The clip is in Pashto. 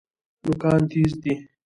نوکان تیز دي.